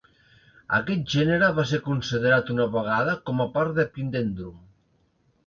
Aquest gènere va ser considerat una vegada com a part d'"Epidendrum".